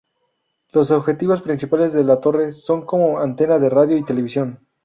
Los objetivos principales de la torre, son como antena de radio y televisión.